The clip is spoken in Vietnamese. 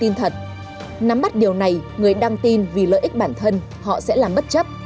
nắm bắt điều này người đăng tin vì lợi ích bản thân họ sẽ làm bất chấp